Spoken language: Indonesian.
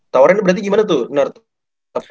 tawaran berarti gimana tuh